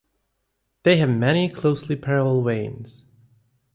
They have many closely parallel veins.